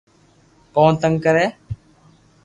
ڪون تنگ ڪري